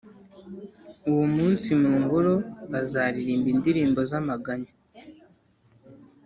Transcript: uwo munsi mu ngoro bazaririmba indirimbo z’amaganya,